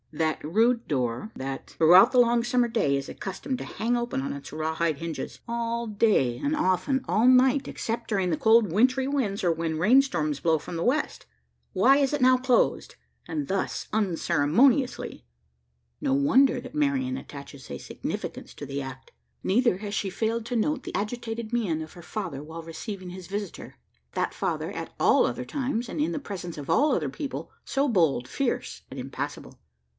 that rude door, that, throughout the long summer day, is accustomed to hang open on its raw hide hinges? All day, and often all night except during the cold wintry winds, or when rain storms blow from the west? Why is it now closed, and thus unceremoniously? No wonder that Marian attaches a significance to the act. Neither has she failed to note the agitated mien of her father while receiving his visitor that father, at all other times, and in the presence of all other people, so bold, fierce, and impassible!